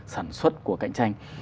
sản xuất của cạnh tranh